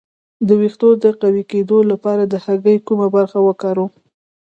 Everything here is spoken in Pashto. د ویښتو د قوي کیدو لپاره د هګۍ کومه برخه وکاروم؟